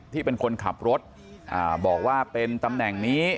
ที่เป็นคนขับรถบอกว่าเป็นตำแหน่งนี้